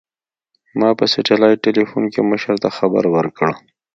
ما په سټلايټ ټېلفون کښې مشر ته خبر وركړ.